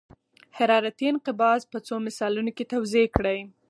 حرارتي انقباض په څو مثالونو کې توضیح کړئ.